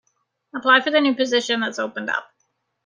Apply for the new position that's opened up.